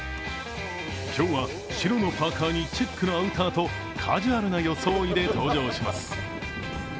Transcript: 今日は白のパーカーにチェックなアウターとカジュアルな装いで登場します。